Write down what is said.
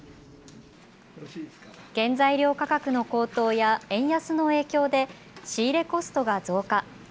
原材料価格の高騰や円安の影響で仕入れコストが増加。